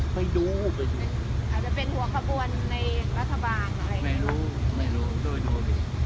ไม่รู้แต่เป็นหัวขบวนในรัฐบาลไม่รู้